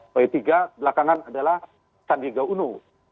p tiga belakangan adalah sanjaya uno